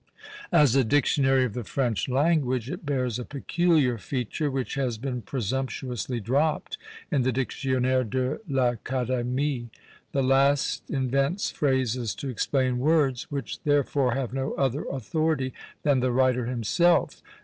As a Dictionary of the French Language it bears a peculiar feature, which has been presumptuously dropped in the Dictionnaire de l'Académie; the last invents phrases to explain words, which therefore have no other authority than the writer himself!